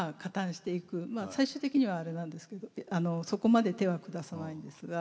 最終的にはあれなんですけどそこまで手は下さないんですが。